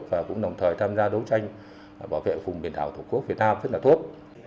và cũng đồng thời tham gia đấu tranh bảo vệ vùng biển đảo thổ quốc việt nam rất là tốt